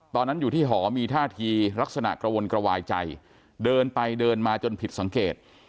ตอนที่อยู่ที่หอมีท่าทีลักษณะกระวนกระวายใจเดินไปเดินมาจนผิดสังเกต